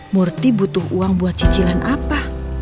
murti butuh uang buat cicilan apa